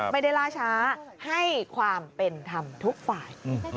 ไม่ได้ล่าช้าให้ความเป็นธรรมทุกฝ่าย